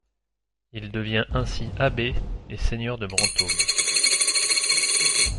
Il devient ainsi abbé et seigneur de Brantôme.